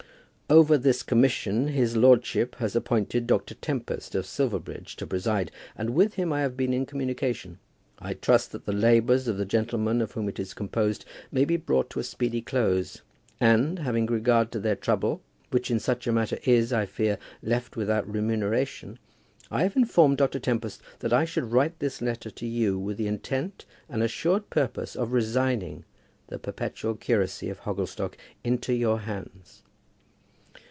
Over this commission his lordship has appointed Dr. Tempest of Silverbridge to preside, and with him I have been in communication. I trust that the labours of the gentlemen of whom it is composed may be brought to a speedy close; and, having regard to their trouble, which in such a matter is, I fear, left without remuneration, I have informed Dr. Tempest that I should write this letter to you with the intent and assured purpose of resigning the perpetual curacy of Hogglestock into your hands.